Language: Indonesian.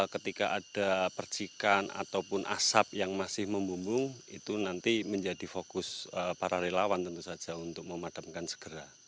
ketika ada percikan ataupun asap yang masih membumbung itu nanti menjadi fokus para relawan tentu saja untuk memadamkan segera